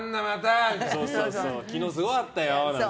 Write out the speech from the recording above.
昨日すごかったよなんて。